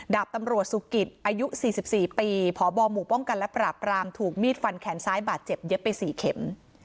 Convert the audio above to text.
ดาบตำรวจสุกิตอายุ๔๔ปีพบหมู่ป้องกันและปราบรามถูกมีดฟันแขนซ้ายบาดเจ็บเย็บไป๔เข็ม